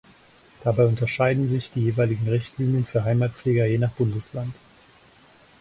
Dabei unterscheiden sich die jeweiligen Richtlinien für Heimatpfleger je nach Bundesland.